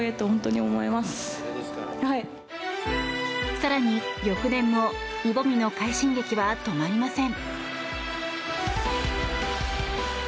更に、翌年もイ・ボミの快進撃は止まりません。